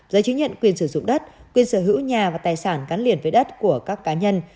giấy chứng nhận quyền sử dụng đất quyền sở hữu nhà và tài sản gắn liền với đất của các cá nhân